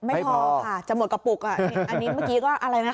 ไม่พอค่ะจะหมดกระปุกอ่ะอันนี้เมื่อกี้ก็อะไรนะ